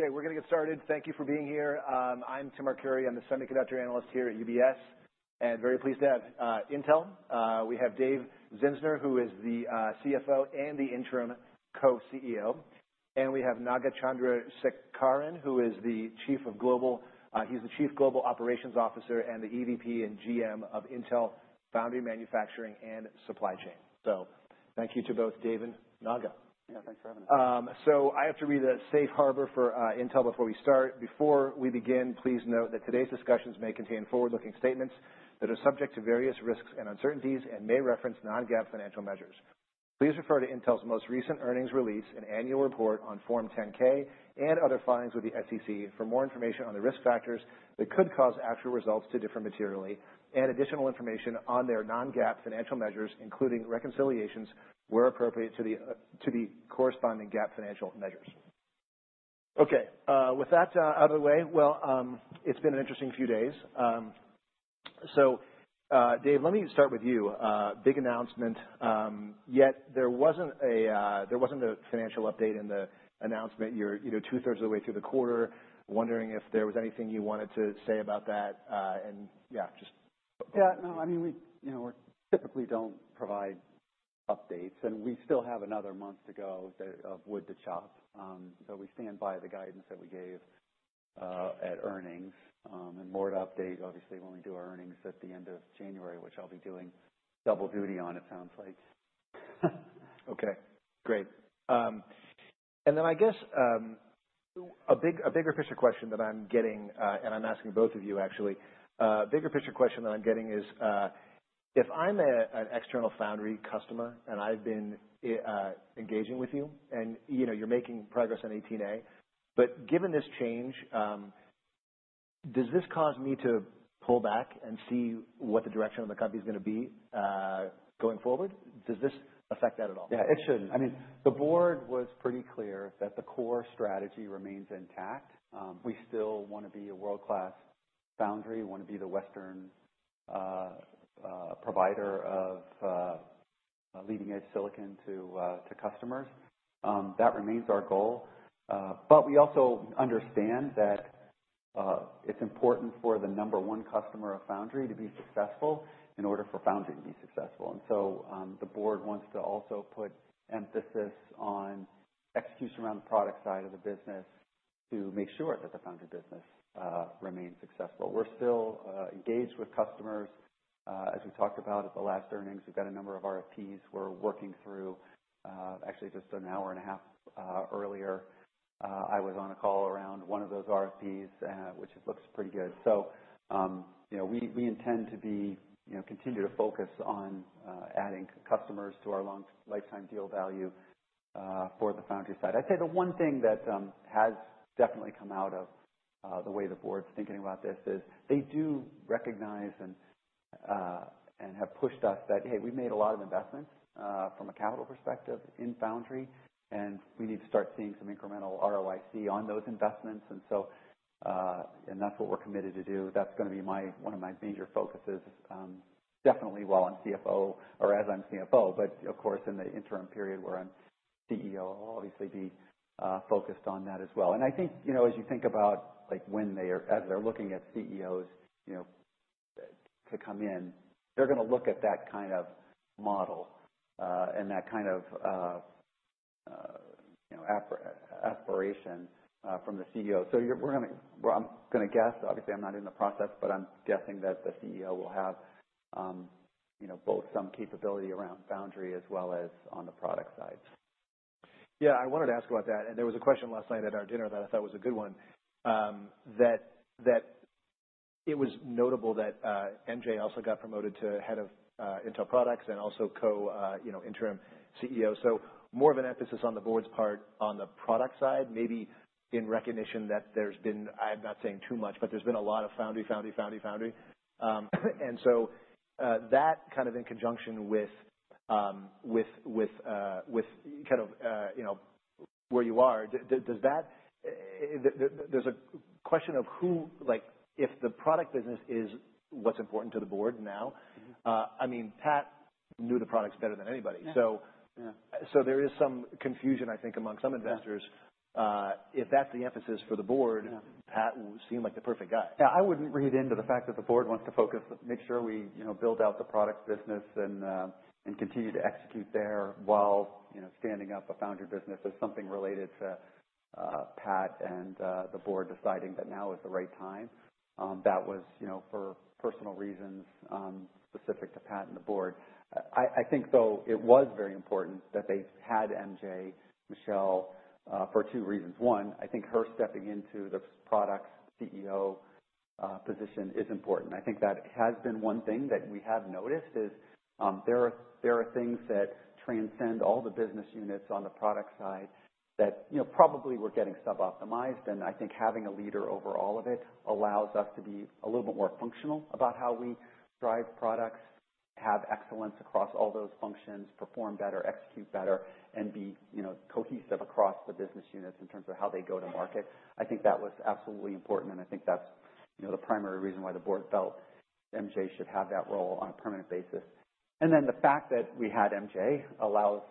Okay, we're gonna get started. Thank you for being here. I'm Tim Arcuri. I'm the semiconductor analyst here at UBS and very pleased to have Intel. We have Dave Zinsner, who is the CFO and the interim Co-CEO. And we have Naga Chandrasekaran, who is the Chief Global Operations Officer and the EVP and GM of Intel Foundry Manufacturing and Supply Chain. So thank you to both, Dave and Naga. Yeah, thanks for having us. So I have to read a safe harbor for Intel before we start. Before we begin, please note that today's discussions may contain forward-looking statements that are subject to various risks and uncertainties and may reference non-GAAP financial measures. Please refer to Intel's most recent earnings release, an annual report on Form 10-K, and other filings with the SEC for more information on the risk factors that could cause actual results to differ materially and additional information on their non-GAAP financial measures, including reconciliations where appropriate to the corresponding GAAP financial measures. Okay. With that out of the way, well, it's been an interesting few days. So, Dave, let me start with you. Big announcement. Yet there wasn't a financial update in the announcement. You're, you know, two-thirds of the way through the quarter. Wondering if there was anything you wanted to say about that. And yeah, just. Yeah, no, I mean, we, you know, we typically don't provide updates, and we still have another month to go, a lot of wood to chop. We stand by the guidance that we gave at earnings, and more to update, obviously. We only do our earnings at the end of January, which I'll be doing double duty on, it sounds like. Okay. Great, and then I guess a bigger picture question that I'm getting, and I'm asking both of you, actually, is if I'm an external foundry customer and I've been engaging with you and, you know, you're making progress on 18A, but given this change, does this cause me to pull back and see what the direction of the company's gonna be, going forward? Does this affect that at all? Yeah, it should. I mean, the board was pretty clear that the core strategy remains intact. We still wanna be a world-class foundry. We wanna be the Western provider of leading-edge silicon to customers. That remains our goal, but we also understand that it's important for the number one customer of foundry to be successful in order for foundry to be successful, and so the board wants to also put emphasis on execution around the product side of the business to make sure that the foundry business remains successful. We're still engaged with customers. As we talked about at the last earnings, we've got a number of RFPs we're working through. Actually, just an hour and a half earlier, I was on a call around one of those RFPs, which looks pretty good. So, you know, we intend to continue to focus on adding customers to our long lifetime deal value for the foundry side. I'd say the one thing that has definitely come out of the way the board's thinking about this is they do recognize and have pushed us that hey, we've made a lot of investments from a capital perspective in foundry, and we need to start seeing some incremental ROIC on those investments. So that's what we're committed to do. That's gonna be one of my major focuses, definitely while I'm CFO or as I'm CFO, but of course in the interim period where I'm CEO, I'll obviously be focused on that as well. I think, you know, as you think about, like, when they're looking at CEOs, you know, to come in, they're gonna look at that kind of model, and that kind of, you know, aspiration, from the CEO. We're gonna—well, I'm gonna guess. Obviously, I'm not in the process, but I'm guessing that the CEO will have, you know, both some capability around foundry as well as on the product side. Yeah, I wanted to ask about that. And there was a question last night at our dinner that I thought was a good one, that it was notable that MJ also got promoted to head of Intel Products and also co-, you know, interim CEO. So more of an emphasis on the board's part on the product side, maybe in recognition that there's been. I'm not saying too much, but there's been a lot of foundry, foundry, foundry, foundry. And so that kind of in conjunction with, with kind of, you know, where you are, does that. There's a question of who, like, if the product business is what's important to the board now. I mean, Pat knew the products better than anybody. There is some confusion, I think, among some investors, if that's the emphasis for the board. Pat seemed like the perfect guy. Yeah, I wouldn't read into the fact that the board wants to focus, make sure we, you know, build out the product business and continue to execute there while, you know, standing up a foundry business is something related to Pat and the board deciding that now is the right time. That was, you know, for personal reasons, specific to Pat and the board. I think, though, it was very important that they had MJ, Michelle, for two reasons. One, I think her stepping into the product CEO position is important. I think that has been one thing that we have noticed is there are things that transcend all the business units on the product side that, you know, probably we're getting sub-optimized. And I think having a leader over all of it allows us to be a little bit more functional about how we drive products, have excellence across all those functions, perform better, execute better, and be, you know, cohesive across the business units in terms of how they go to market. I think that was absolutely important, and I think that's, you know, the primary reason why the board felt MJ should have that role on a permanent basis. And then the fact that we had MJ allows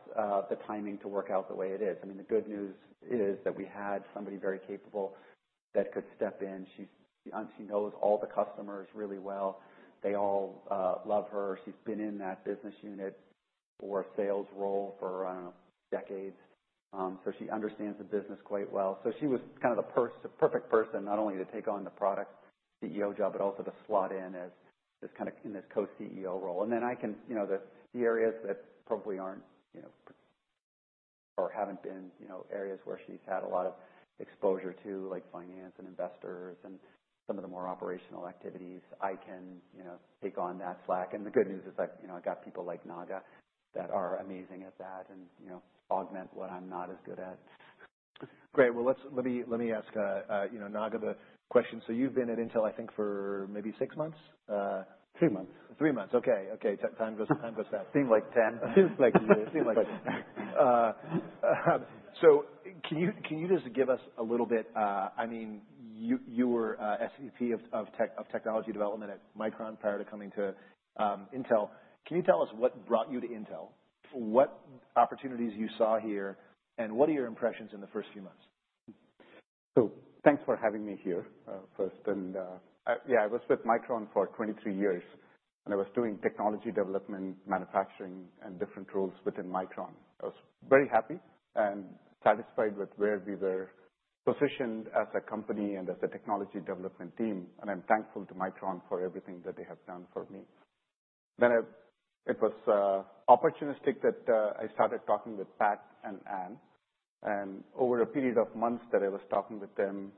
the timing to work out the way it is. I mean, the good news is that we had somebody very capable that could step in. She's—and she knows all the customers really well. They all love her. She's been in that business unit or sales role for, I don't know, decades. So she understands the business quite well. So she was kind of the perfect person not only to take on the product CEO job, but also to slot in as this kind of in this co-CEO role. And then I can, you know, the areas that probably aren't, you know, or haven't been, you know, areas where she's had a lot of exposure to, like finance and investors and some of the more operational activities, I can, you know, take on that slack. And the good news is that, you know, I got people like Naga that are amazing at that and, you know, augment what I'm not as good at. Great. Let me ask, you know, Naga, the question so you've been at Intel, I think, for maybe six months? three months. Three months. Okay. Okay. Time goes fast. Seems like 10. Seems like, so can you just give us a little bit, I mean, you were SVP of technology development at Micron prior to coming to Intel. Can you tell us what brought you to Intel, what opportunities you saw here, and what are your impressions in the first few months? So thanks for having me here, first. And yeah, I was with Micron for 23 years, and I was doing technology development, manufacturing, and different roles within Micron. I was very happy and satisfied with where we were positioned as a company and as a technology development team. And I'm thankful to Micron for everything that they have done for me. Then it was opportunistic that I started talking with Pat and Ann. And over a period of months that I was talking with them,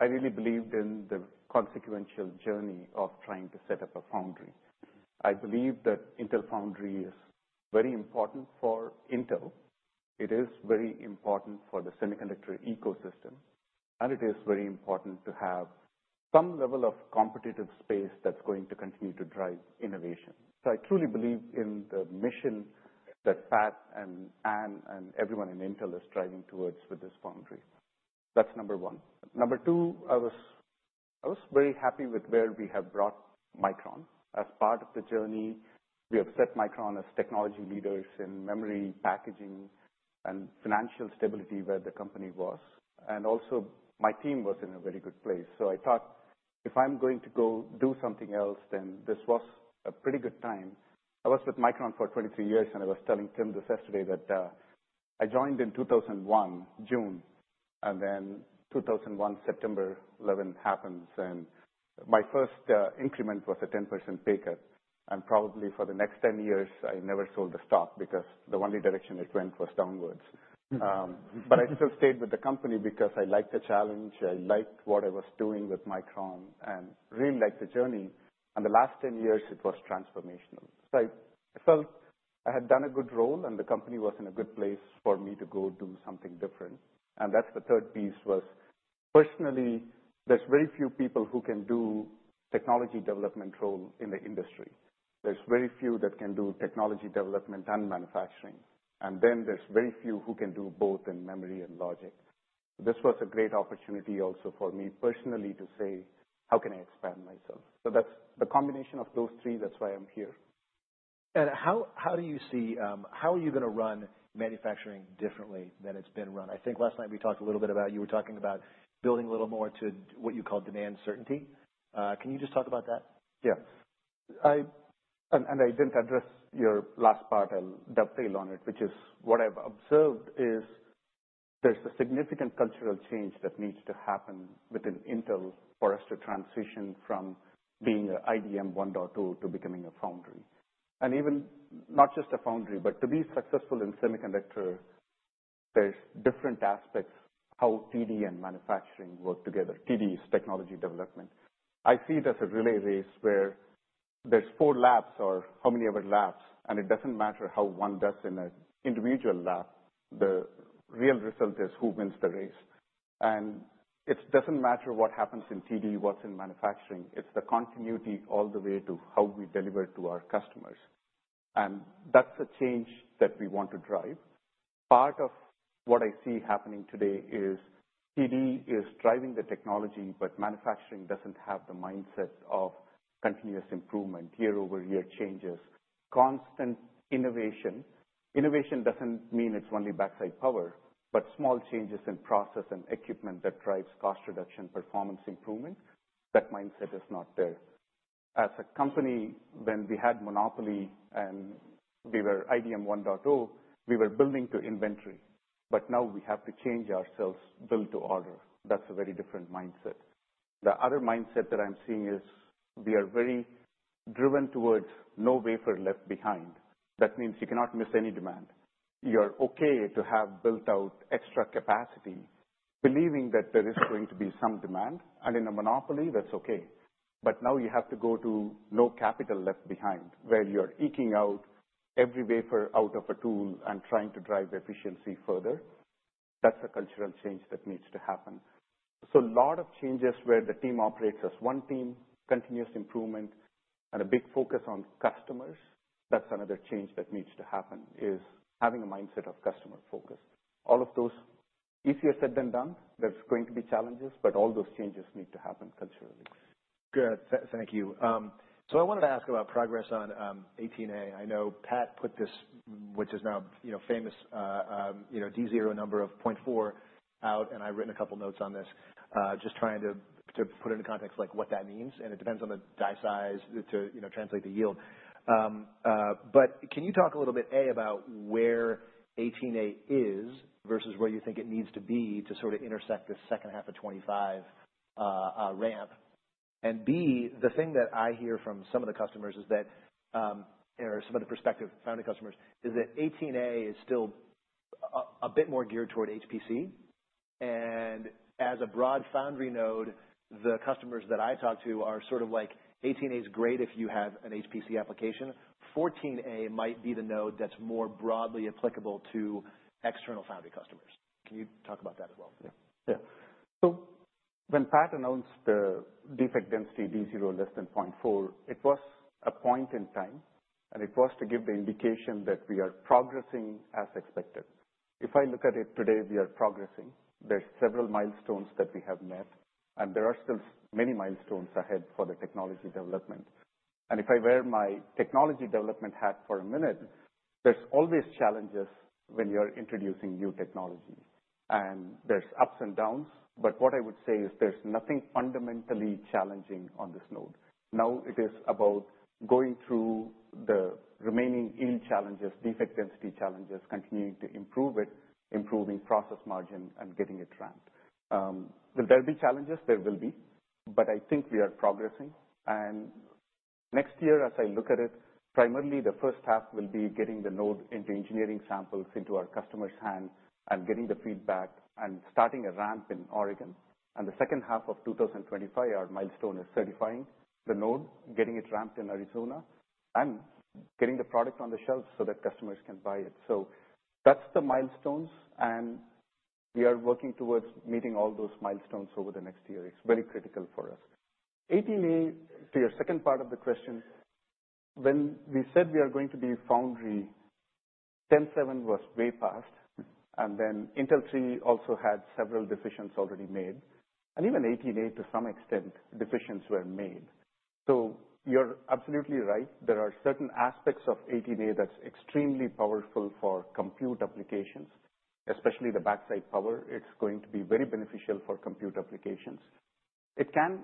I really believed in the consequential journey of trying to set up a foundry. I believe that Intel Foundry is very important for Intel. It is very important for the semiconductor ecosystem, and it is very important to have some level of competitive space that's going to continue to drive innovation. So I truly believe in the mission that Pat and Ann and everyone in Intel is driving towards with this foundry. That's number one. Number two, I was very happy with where we have brought Micron as part of the journey. We have set Micron as technology leaders in memory packaging and financial stability where the company was. And also, my team was in a very good place. So I thought, if I'm going to go do something else, then this was a pretty good time. I was with Micron for 23 years, and I was telling Tim this yesterday that I joined in 2001, June, and then 2001, September 11 happens, and my first increment was a 10% pay cut. And probably for the next 10 years, I never sold the stock because the only direction it went was downwards. But I still stayed with the company because I liked the challenge. I liked what I was doing with Micron and really liked the journey. And the last 10 years, it was transformational. So I felt I had done a good role, and the company was in a good place for me to go do something different. And that's the third piece was, personally, there's very few people who can do technology development roles in the industry. There's very few that can do technology development and manufacturing. And then there's very few who can do both in memory and logic. This was a great opportunity also for me personally to say, how can I expand myself? So that's the combination of those three. That's why I'm here. And how, how do you see, how are you gonna run manufacturing differently than it's been run? I think last night we talked a little bit about, you were talking about building a little more to what you call demand certainty. Can you just talk about that? Yeah. I and I didn't address your last part. I'll dovetail on it, which is what I've observed is there's a significant cultural change that needs to happen within Intel for us to transition from being an IDM 1.2 to becoming a foundry. And even not just a foundry, but to be successful in semiconductor, there's different aspects how TD and manufacturing work together. TD is technology development. I see it as a relay race where there's four labs or how manyever labs, and it doesn't matter how one does in an individual lab. The real result is who wins the race. And it doesn't matter what happens in TD, what's in manufacturing. It's the continuity all the way to how we deliver to our customers. And that's a change that we want to drive. Part of what I see happening today is TD is driving the technology, but manufacturing doesn't have the mindset of continuous improvement, year-over-year changes, constant innovation. Innovation doesn't mean it's only backside power, but small changes in process and equipment that drives cost reduction, performance improvement. That mindset is not there. As a company, when we had monopoly and we were IDM 1.0, we were building to inventory, but now we have to change ourselves build to order. That's a very different mindset. The other mindset that I'm seeing is we are very driven towards no wafer left behind. That means you cannot miss any demand. You're okay to have built out extra capacity, believing that there is going to be some demand, and in a monopoly, that's okay. But now you have to go to no capital left behind where you're eking out every wafer out of a tool and trying to drive efficiency further. That's a cultural change that needs to happen. So a lot of changes where the team operates as one team, continuous improvement, and a big focus on customers, that's another change that needs to happen is having a mindset of customer focus. All of those easier said than done. There's going to be challenges, but all those changes need to happen culturally. Good. Thank you. So I wanted to ask about progress on 18A. I know Pat put this, which is now, you know, famous, you know, D0 number of 0.4 out, and I've written a couple of notes on this, just trying to put it into context, like, what that means. And it depends on the die size to, you know, translate the yield. But can you talk a little bit, A, about where 18A is versus where you think it needs to be to sort of intersect the second half of 2025 ramp? And B, the thing that I hear from some of the customers is that, or some of the prospective foundry customers is that 18A is still a bit more geared toward HPC. As a broad foundry node, the customers that I talk to are sort of like, "18A's great if you have an HPC application. 14A might be the node that's more broadly applicable to external foundry customers." Can you talk about that as well? Yeah. Yeah. So when Pat announced the defect density D0 less than 0.4, it was a point in time, and it was to give the indication that we are progressing as expected. If I look at it today, we are progressing. There's several milestones that we have met, and there are still many milestones ahead for the technology development. If I wear my technology development hat for a minute, there's always challenges when you're introducing new technologies. There's ups and downs, but what I would say is there's nothing fundamentally challenging on this node. Now it is about going through the remaining still challenges, defect density challenges, continuing to improve it, improving process margin, and getting it ramped. Will there be challenges? There will be. But I think we are progressing. Next year, as I look at it, primarily the first half will be getting the node into engineering samples into our customer's hand and getting the feedback and starting a ramp in Oregon. The second half of 2025, our milestone is certifying the node, getting it ramped in Arizona, and getting the product on the shelf so that customers can buy it. So that's the milestones, and we are working towards meeting all those milestones over the next year. It's very critical for us. 18A, to your second part of the question, when we said we are going to be foundry, Intel 7 was way past. Then Intel 3 also had several decisions already made. Even 18A, to some extent, decisions were made. So you're absolutely right. There are certain aspects of 18A that's extremely powerful for compute applications, especially the backside power. It's going to be very beneficial for compute applications. It can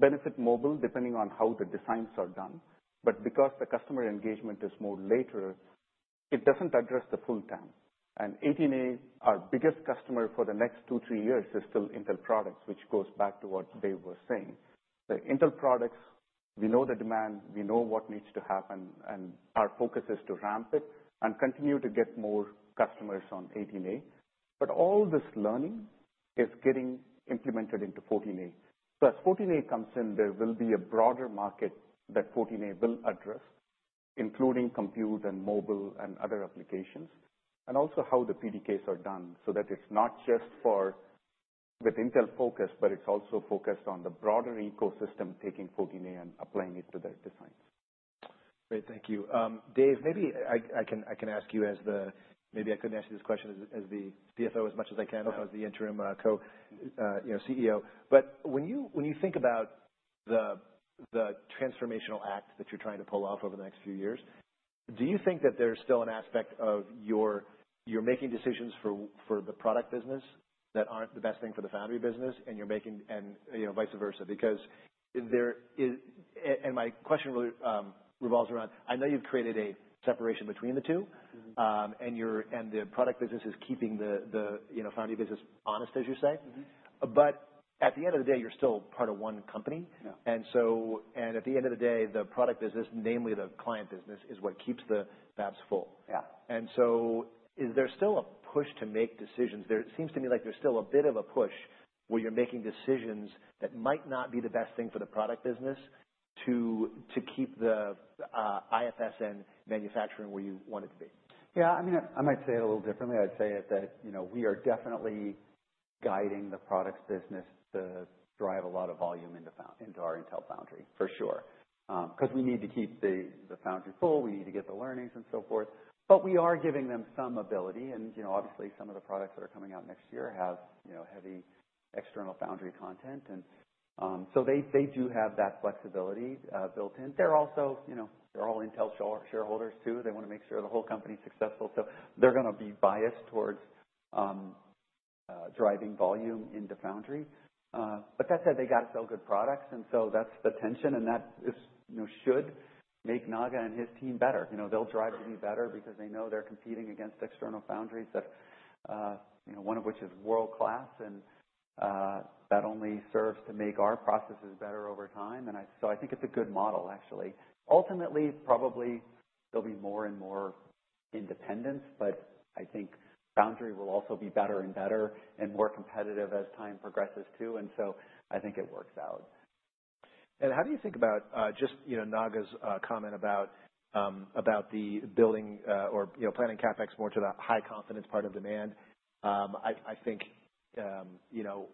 benefit mobile depending on how the designs are done. But because the customer engagement is more later, it doesn't address the full time, and 18A, our biggest customer for the next two, three years, is still Intel Products, which goes back to what Dave was saying. The Intel Products, we know the demand. We know what needs to happen, and our focus is to ramp it and continue to get more customers on 18A, but all this learning is getting implemented into 14A, so as 14A comes in, there will be a broader market that 14A will address, including compute and mobile and other applications, and also how the PDKs are done so that it's not just for with Intel focus, but it's also focused on the broader ecosystem taking 14A and applying it to their designs. Great. Thank you. Dave, maybe I couldn't ask you this question as the CFO as much as I can as the interim co-CEO. But when you think about the transformational act that you're trying to pull off over the next few years, do you think that there's still an aspect of your making decisions for the product business that aren't the best thing for the foundry business, and you're making, you know, vice versa? Because there is, and my question really revolves around. I know you've created a separation between the two, and the product business is keeping the foundry business honest, as you say. But at the end of the day, you're still part of one company. At the end of the day, the product business, namely the client business, is what keeps the fabs full. Yeah. And so, is there still a push to make decisions? There, it seems to me like there's still a bit of a push where you're making decisions that might not be the best thing for the product business to keep the IFS manufacturing where you want it to be. Yeah. I mean, I might say it a little differently. I'd say that, you know, we are definitely guiding the products business to drive a lot of volume into our Intel foundry, for sure. 'Cause we need to keep the foundry full. We need to get the learnings and so forth. But we are giving them some ability. And, you know, obviously, some of the products that are coming out next year have, you know, heavy external foundry content. And, so they do have that flexibility, built in. They're also, you know, they're all Intel shareholders too. They wanna make sure the whole company's successful. So they're gonna be biased towards driving volume into foundry. But that said, they gotta sell good products. And so that's the tension. And that is, you know, should make Naga and his team better. You know, they'll drive to be better because they know they're competing against external foundries that, you know, one of which is world-class. And that only serves to make our processes better over time. And so I think it's a good model, actually. Ultimately, probably there'll be more and more independence, but I think foundry will also be better and better and more competitive as time progresses too. And so I think it works out. And how do you think about, just, you know, Naga's comment about the building, or, you know, planning CapEx more to the high confidence part of demand? I think, you know,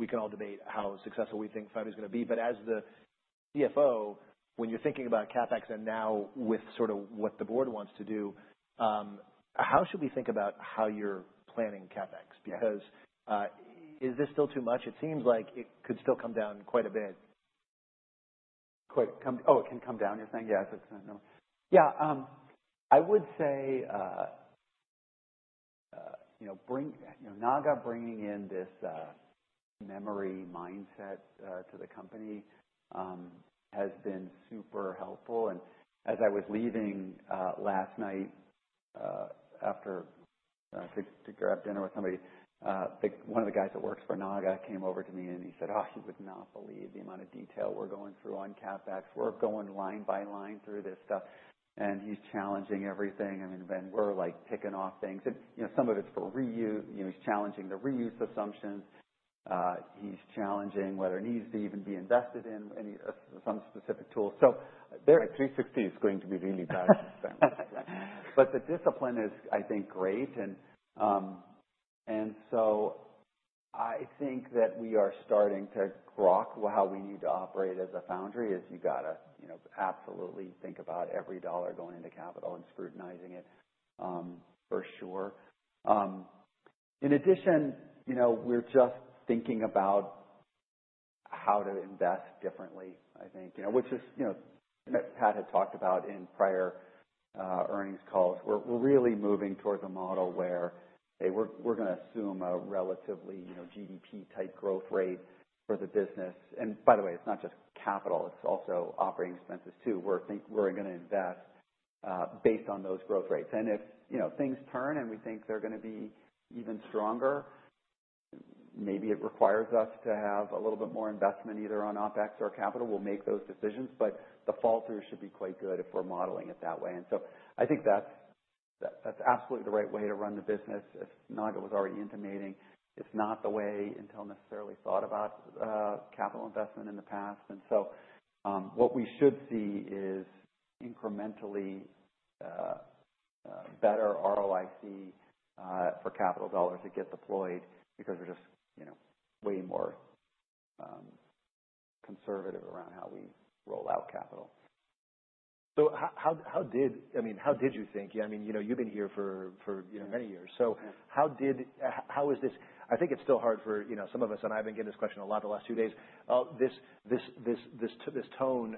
we can all debate how successful we think foundry's gonna be. But as the CFO, when you're thinking about CapEx and now with sort of what the board wants to do, how should we think about how you're planning CapEx? Because, is this still too much? It seems like it could still come down quite a bit. Right? Oh, it can come down, you're saying? Yeah. That's not. Yeah. I would say, you know, bringing, you know, Naga bringing in this memory mindset to the company has been super helpful. And as I was leaving last night after to grab dinner with somebody, one of the guys that works for Naga came over to me, and he said, "Oh, you would not believe the amount of detail we're going through on CapEx. We're going line by line through this stuff, and he's challenging everything. I mean, then we're like picking off things." And you know, some of it's for reuse. You know, he's challenging the reuse assumptions. He's challenging whether it needs to even be invested in or some specific tool. So there. 360 is going to be really bad this time. But the discipline is, I think, great. So I think that we are starting to grok how we need to operate as a foundry. You gotta, you know, absolutely think about every dollar going into capital and scrutinizing it, for sure. In addition, you know, we're just thinking about how to invest differently, I think, you know, which is, you know, Pat had talked about in prior earnings calls. We're really moving towards a model where, hey, we're gonna assume a relatively, you know, GDP-type growth rate for the business. And by the way, it's not just capital. It's also operating expenses too. We're thinking we're gonna invest, based on those growth rates. And if, you know, things turn and we think they're gonna be even stronger, maybe it requires us to have a little bit more investment either on OpEx or capital. We'll make those decisions. But the fall through should be quite good if we're modeling it that way. And so I think that's absolutely the right way to run the business. If Naga was already intimating, it's not the way Intel necessarily thought about capital investment in the past. And so, what we should see is incrementally better ROIC for capital dollars that get deployed because we're just, you know, way more conservative around how we roll out capital. So, how did you think? I mean, you know, you've been here for, you know, many years. How is this? I think it's still hard for, you know, some of us. And I've been getting this question a lot the last few days. This tone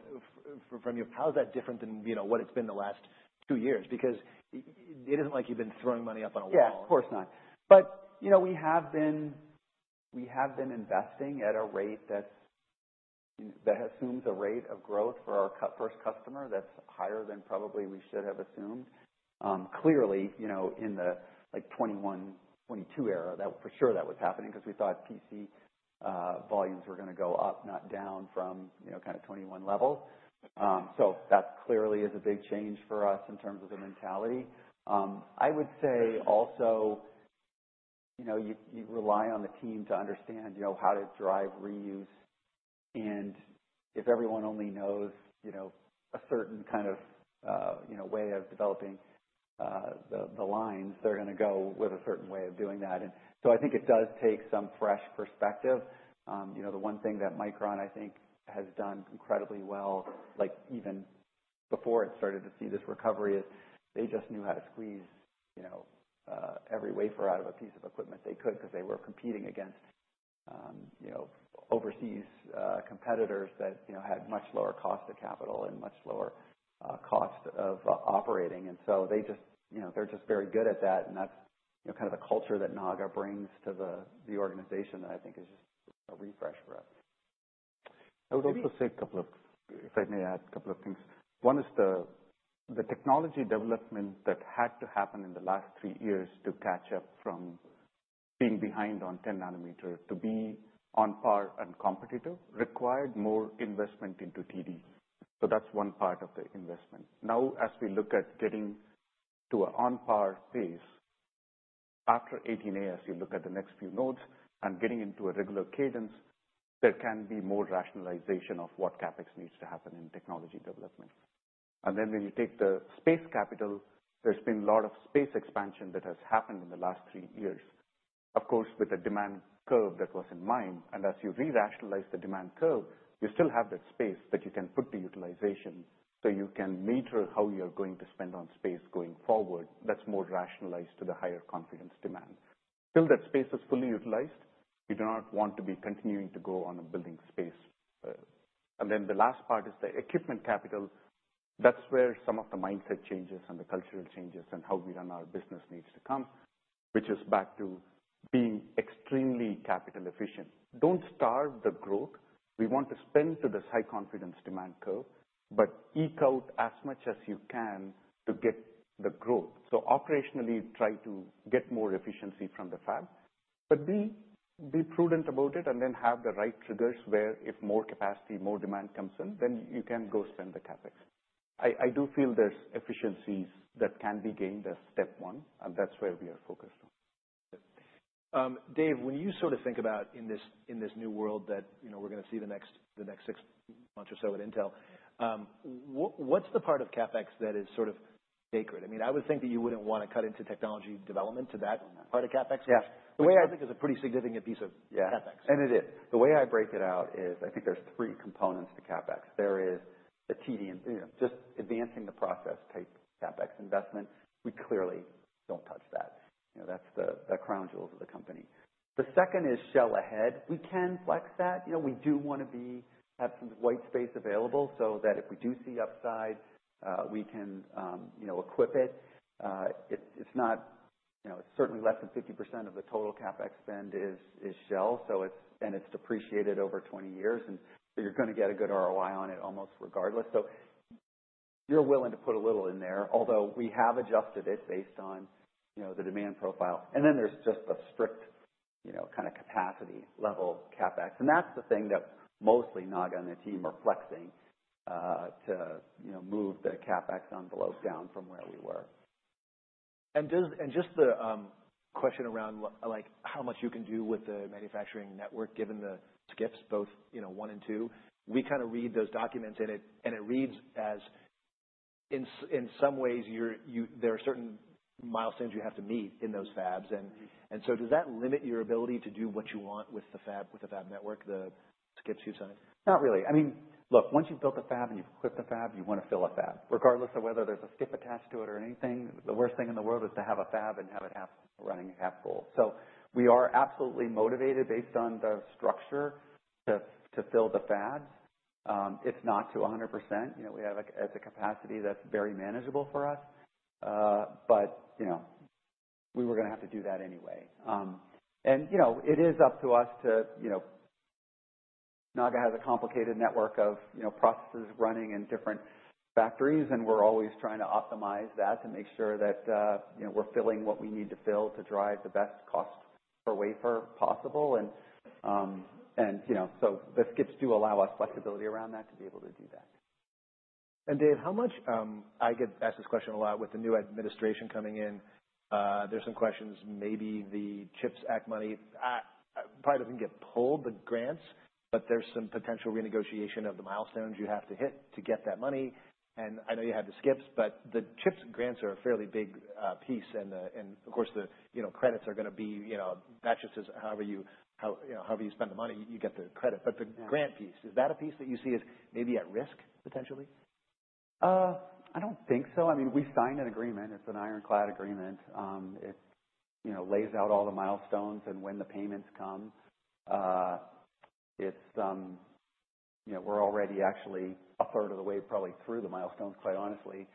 from you, how is that different than, you know, what it's been the last two years? Because it isn't like you've been throwing money up on a wall. Yeah. Of course not. But, you know, we have been investing at a rate that's assumes a rate of growth for our cut first customer that's higher than probably we should have assumed. Clearly, you know, in the, like, 2021, 2022 era, that for sure was happening 'cause we thought PC volumes were gonna go up, not down from, you know, kinda 2021 level. So that clearly is a big change for us in terms of the mentality. I would say also, you know, you rely on the team to understand, you know, how to drive reuse. And if everyone only knows, you know, a certain kind of, you know, way of developing the lines, they're gonna go with a certain way of doing that. And so I think it does take some fresh perspective. You know, the one thing that Micron, I think, has done incredibly well, like, even before it started to see this recovery is they just knew how to squeeze, you know, every wafer out of a piece of equipment they could 'cause they were competing against, you know, overseas competitors that, you know, had much lower cost of capital and much lower cost of operating. And so they just, you know, they're just very good at that. And that's, you know, kinda the culture that Naga brings to the organization that I think is just a refresh for us. I would also say a couple of things, if I may add a couple of things. One is the technology development that had to happen in the last three years to catch up from being behind on 10 nanometer to be on par and competitive required more investment into TD. So that's one part of the investment. Now, as we look at getting to an on-par pace, after 18A, as you look at the next few nodes and getting into a regular cadence, there can be more rationalization of what CapEx needs to happen in technology development. And then when you take the space capital, there's been a lot of space expansion that has happened in the last three years, of course, with the demand curve that was in mind. And as you re-rationalize the demand curve, you still have that space that you can put to utilization so you can meter how you're going to spend on space going forward that's more rationalized to the higher confidence demand. Till that space is fully utilized, you do not want to be continuing to go on a building space. And then the last part is the equipment capital. That's where some of the mindset changes and the cultural changes and how we run our business needs to come, which is back to being extremely capital efficient. Don't starve the growth. We want to spend to this high confidence demand curve, but eke out as much as you can to get the growth. So operationally, try to get more efficiency from the fab. But be prudent about it and then have the right triggers where if more capacity, more demand comes in, then you can go spend the CapEx. I do feel there's efficiencies that can be gained. That's step one. And that's where we are focused. Dave, when you sort of think about in this new world that, you know, we're gonna see the next six months or so at Intel, what's the part of CapEx that is sort of sacred? I mean, I would think that you wouldn't wanna cut into technology development to that part of CapEx. Yeah. The way I think is a pretty significant piece of CapEx. Yeah. And it is. The way I break it out is I think there's three components to CapEx. There is the TD and, you know, just advancing the process type CapEx investment. We clearly don't touch that. You know, that's the, the crown jewels of the company. The second is shell ahead. We can flex that. You know, we do wanna have some white space available so that if we do see upside, we can, you know, equip it. It's, it's not, you know, it's certainly less than 50% of the total CapEx spend is, is shell. So it's and it's depreciated over 20 years. And you're gonna get a good ROI on it almost regardless. So you're willing to put a little in there, although we have adjusted it based on, you know, the demand profile. And then there's just the strict, you know, kinda capacity level CapEx. That's the thing that mostly Naga and the team are flexing, to, you know, move the CapEx envelope down from where we were. Just the question around, like, how much you can do with the manufacturing network given the skips, both one and two. You know, we kinda read those documents, and it reads as, in some ways, there are certain milestones you have to meet in those fabs. Does that limit your ability to do what you want with the fab network, the skips you sign? Not really. I mean, look, once you've built a fab and you've equipped the fab, you wanna fill a fab regardless of whether there's a skip attached to it or anything. The worst thing in the world is to have a fab and have it half running half full. So we are absolutely motivated based on the structure to fill the fabs. It's not to 100%. You know, we have a capacity that's very manageable for us. But you know, we were gonna have to do that anyway, and you know, it is up to us to you know, Naga has a complicated network of you know, processes running in different factories. And we're always trying to optimize that to make sure that you know, we're filling what we need to fill to drive the best cost per wafer possible. You know, so the SCIP do allow us flexibility around that to be able to do that. Dave, how much? I get asked this question a lot with the new administration coming in. There's some questions maybe the CHIPS Act money probably doesn't get pulled, the grants, but there's some potential renegotiation of the milestones you have to hit to get that money. And I know you had the skips, but the CHIPS grants are a fairly big piece. And of course, the, you know, credits are gonna be, you know, not just, however you, you know, however you spend the money, you get the credit. But the grant piece, is that a piece that you see as maybe at risk potentially? I don't think so. I mean, we signed an agreement. It's an ironclad agreement. It, you know, lays out all the milestones and when the payments come. It's, you know, we're already actually a third of the way probably through the milestones, quite honestly.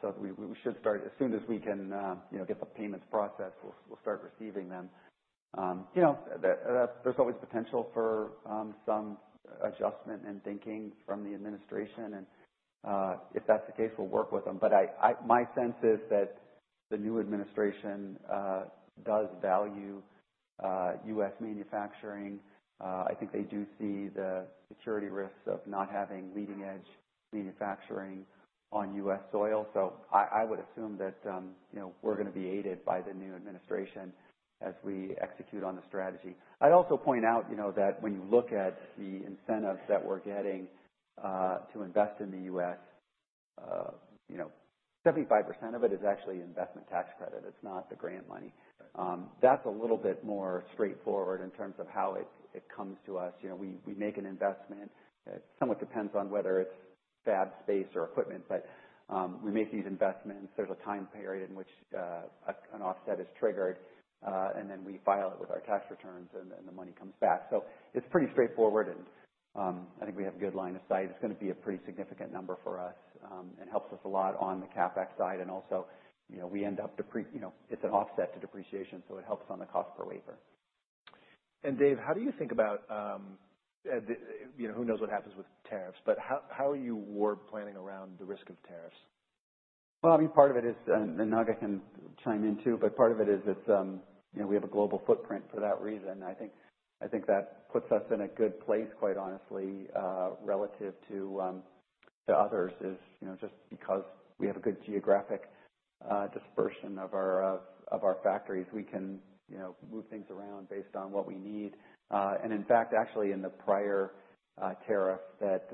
So we, we should start as soon as we can, you know, get the payments processed, we'll, we'll start receiving them. You know, there's always potential for some adjustment and thinking from the administration. And if that's the case, we'll work with them. But I, my sense is that the new administration does value U.S. manufacturing. I think they do see the security risks of not having leading-edge manufacturing on U.S. soil. So I, I would assume that, you know, we're gonna be aided by the new administration as we execute on the strategy. I'd also point out, you know, that when you look at the incentives that we're getting, to invest in the U.S., you know, 75% of it is actually investment tax credit. It's not the grant money. That's a little bit more straightforward in terms of how it comes to us. You know, we make an investment. It somewhat depends on whether it's fab space or equipment. But, we make these investments. There's a time period in which an offset is triggered, and then we file it with our tax returns, and then the money comes back. So it's pretty straightforward, and I think we have a good line of sight. It's gonna be a pretty significant number for us, and helps us a lot on the CapEx side. And also, you know, we end up, you know, it's an offset to depreciation, so it helps on the cost per wafer. Dave, how do you think about the, you know, who knows what happens with tariffs, but how are you wargaming around the risk of tariffs? I mean, part of it is, and Naga can chime in too, but part of it is it's, you know, we have a global footprint for that reason. I think that puts us in a good place, quite honestly, relative to others, you know, just because we have a good geographic dispersion of our factories, we can, you know, move things around based on what we need. In fact, actually, in the prior tariff that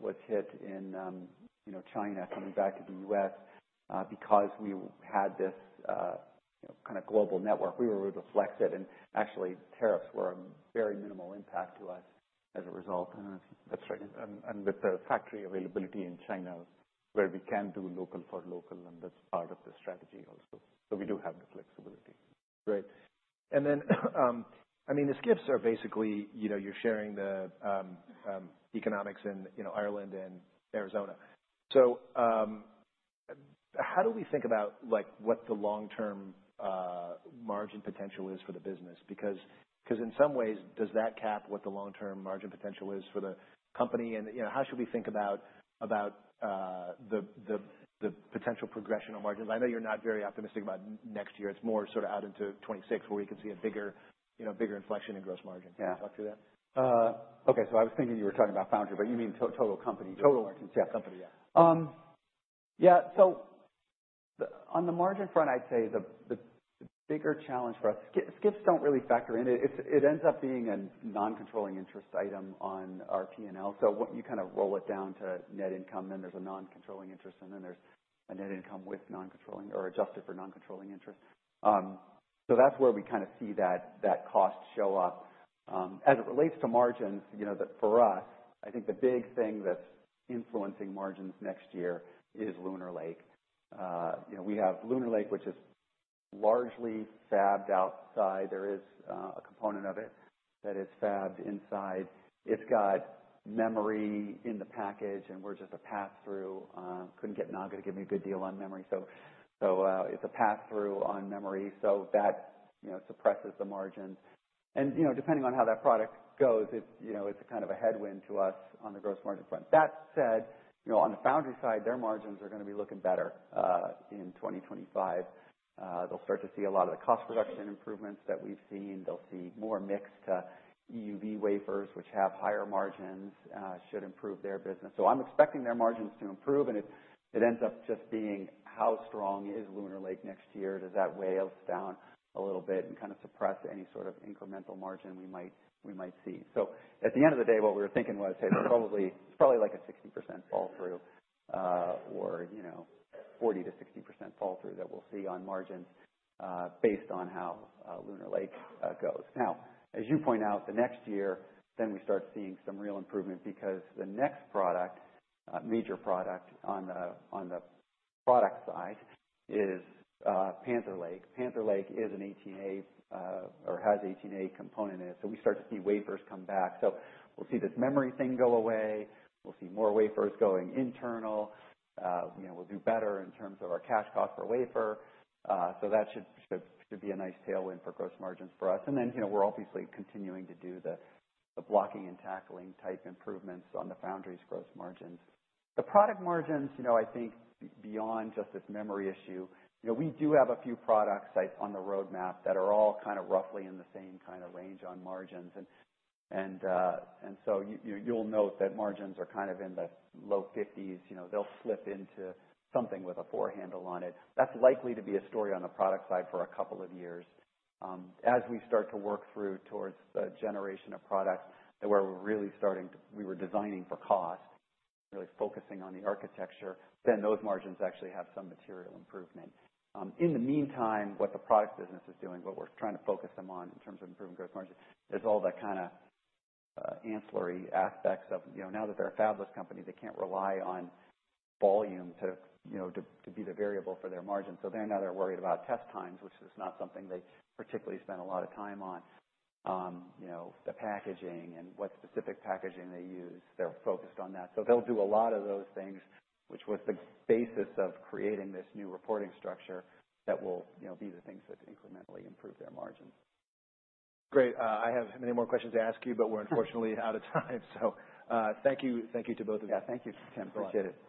was hit in, you know, China coming back to the U.S., because we had this, you know, kinda global network, we were able to flex it. Actually, tariffs were a very minimal impact to us as a result. That's right. And with the factory availability in China where we can do local for local, and that's part of the strategy also. So we do have the flexibility. Great. And then, I mean, the skips are basically, you know, you're sharing the economics in, you know, Ireland and Arizona. So, how do we think about, like, what the long-term margin potential is for the business? Because, 'cause in some ways, does that cap what the long-term margin potential is for the company? And, you know, how should we think about the potential progression of margins? I know you're not very optimistic about next year. It's more sort of out into 2026 where we could see a bigger, you know, bigger inflection in gross margin. Yeah. Can you talk through that? Okay. So I was thinking you were talking about foundry, but you mean the total company. Total margin. Total margin. Yeah. Company, yeah. Yeah. So on the margin front, I'd say the bigger challenge for us SCIPs don't really factor in. It ends up being a non-controlling interest item on our P&L. So what you kinda roll it down to net income, then there's a non-controlling interest, and then there's a net income with non-controlling or adjusted for non-controlling interest. So that's where we kinda see that cost show up. As it relates to margins, you know, that for us, I think the big thing that's influencing margins next year is Lunar Lake. You know, we have Lunar Lake, which is largely fabbed outside. There is a component of it that is fabbed inside. It's got memory in the package, and we're just a pass-through. Couldn't get Naga to give me a good deal on memory. So it's a pass-through on memory. So that, you know, suppresses the margins. And, you know, depending on how that product goes, it's, you know, it's a kind of a headwind to us on the gross margin front. That said, you know, on the foundry side, their margins are gonna be looking better in 2025. They'll start to see a lot of the cost reduction improvements that we've seen. They'll see more mix to EUV wafers, which have higher margins, should improve their business. So I'm expecting their margins to improve. And it, it ends up just being how strong is Lunar Lake next year. Does that weigh down a little bit and kinda suppress any sort of incremental margin we might, we might see? So at the end of the day, what we were thinking was, hey, there's probably it's probably like a 60% fall-through, or, you know, 40%-60% fall-through that we'll see on margins, based on how Lunar Lake goes. Now, as you point out, the next year, then we start seeing some real improvement because the next major product on the product side is Panther Lake. Panther Lake is an 18A, or has 18A component in it. So we start to see wafers come back. So we'll see this memory thing go away. We'll see more wafers going internal. You know, we'll do better in terms of our cash cost per wafer. So that should be a nice tailwind for gross margins for us. And then, you know, we're obviously continuing to do the blocking and tackling type improvements on the foundry's gross margins. The product margins, you know, I think beyond just this memory issue, you know, we do have a few products on the roadmap that are all kinda roughly in the same kinda range on margins. And so you, you'll note that margins are kind of in the low 50s. You know, they'll slip into something with a four handle on it. That's likely to be a story on the product side for a couple of years, as we start to work through towards the generation of products that where we're really starting to, we were designing for cost, really focusing on the architecture, then those margins actually have some material improvement. In the meantime, what the product business is doing, what we're trying to focus them on in terms of improving gross margins is all the kinda ancillary aspects of, you know, now that they're a fabless company, they can't rely on volume to, you know, to be the variable for their margins. So they're now, they're worried about test times, which is not something they particularly spend a lot of time on. You know, the packaging and what specific packaging they use, they're focused on that. So they'll do a lot of those things, which was the basis of creating this new reporting structure that will, you know, be the things that incrementally improve their margins. Great. I have many more questions to ask you, but we're unfortunately out of time. So, thank you. Thank you to both of you. Yeah. Thank you, Tim. Appreciate it. Thanks.